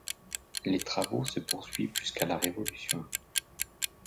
Les travaux se poursuivent jusqu'à la Révolution.